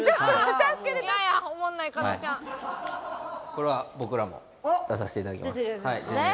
これは僕らも出させていただきます。